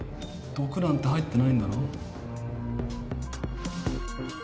毒なんて入ってないんだろう？